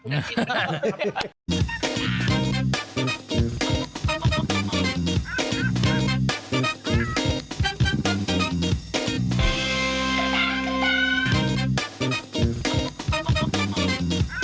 โปรดติดตามตอนต่อไป